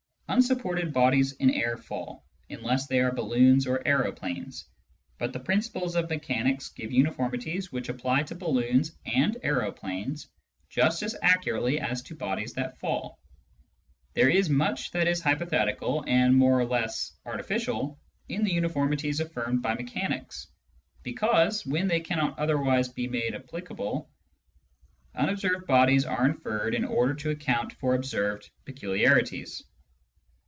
Unsupported bodies in air fall, unless they are balloons or aeroplanes ; but the principles of mechanics give uniformities which apply to balloons and aeroplanes just as accurately as to bodies that fall. There is much that is hypothetical and more or less artificial in the uniformities affirmed by mechanics, because, when they cannot otherwise be made applicable, unobserved bodies are inferred in order to account for observed peculiarities.